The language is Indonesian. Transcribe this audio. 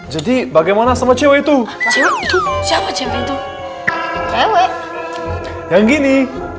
jadi bagaimana sama cewek itu cewek cewek yang gini